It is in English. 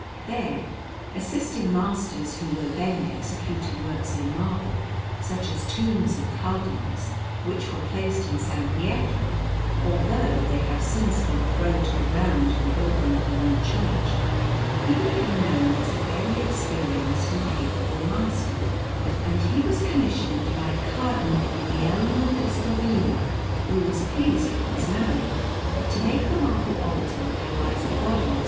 There, assisting masters who were then executing works in marble, such as tombs of Cardinals, which were placed in S. Pietro, although they have since been thrown to the ground in the building of the new church, he became known as a very experienced and capable master; and he was commissioned by Cardinal Guglielmo Destovilla, who was pleased with his manner, to make the marble altar where lies the body of S.